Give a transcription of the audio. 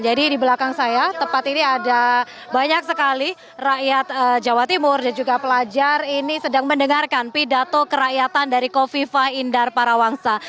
jadi di belakang saya tempat ini ada banyak sekali rakyat jawa timur dan juga pelajar ini sedang mendengarkan pidato kerakyatan dari kofifah indar parawangsa